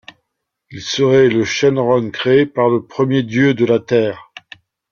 Il serait le Shenron crée par le premier dieu de la Terre.